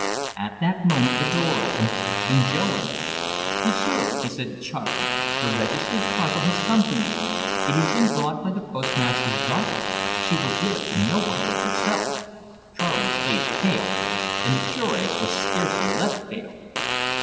At that moment the door opened and Jo entered. "M'sieu'," he said to Charley, "a registered parcel has come for you. It has been brought by the postmaster's daughter. She will give it to no one but yourself." Charley's face paled, and the Cure's was scarcely less pale.